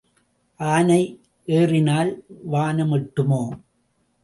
ஆனை ஏறினால் வானம் எட்டுமோ?